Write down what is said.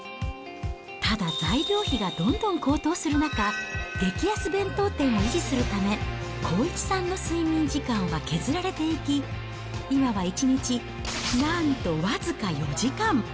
ただ材料費がどんどん高騰する中、激安弁当店を維持するため、康一さんの睡眠時間は削られていき、今は１日なんと僅か４時間。